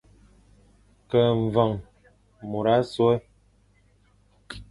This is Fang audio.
Ke veñ môr azôe,